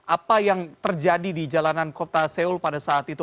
apa yang terjadi di jalanan kota seoul pada saat itu